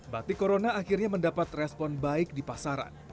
batik corona akhirnya mendapat respon baik di pasaran